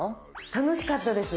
楽しかったです。